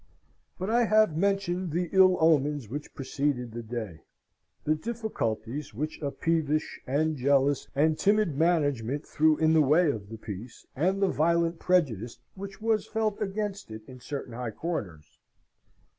But I have mentioned the ill omens which preceded the day: the difficulties which a peevish, and jealous, and timid management threw in the way of the piece, and the violent prejudice which was felt against it in certain high quarters.